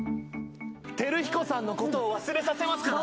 テルヒコさんのことを忘れさせますから！